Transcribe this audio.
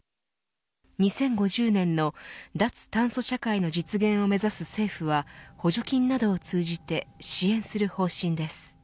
２０５０年の脱炭素社会の実現を目指す政府は補助金などを通じて支援する方針です。